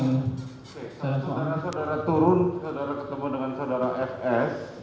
oke saudara saudara turun saudara ketemu dengan saudara efes